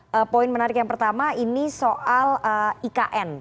oke poin menarik yang pertama ini soal ikn